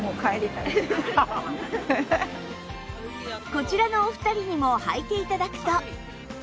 こちらのお二人にも履いて頂くと